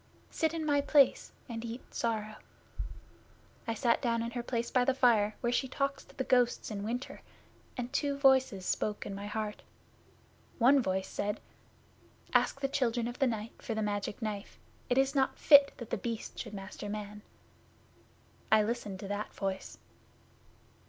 Sit in my place, and eat sorrow." I sat down in her place by the fire, where she talks to the ghosts in winter, and two voices spoke in my heart. One voice said, "Ask the Children of the Night for the Magic Knife. It is not fit that The Beast should master man." I listened to that voice.